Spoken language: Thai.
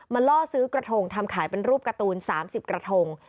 ล่อซื้อกระทงทำขายเป็นรูปการ์ตูน๓๐กระทง